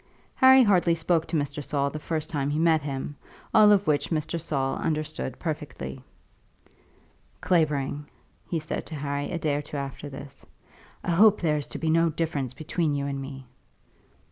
Harry hardly spoke to Mr. Saul the first time he met him, all of which Mr. Saul understood perfectly. "Clavering," he said to Harry, a day or two after this, "I hope there is to be no difference between you and me."